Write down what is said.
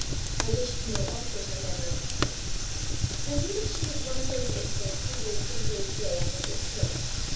I wished to know also her manner of hunting. I knew that she is one of those insects who live from day to day on what they kill.